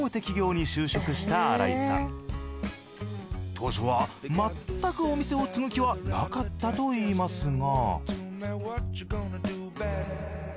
当初はまったくお店を継ぐ気はなかったといいますが。